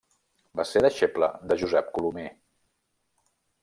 Va ser deixeble de Josep Colomer.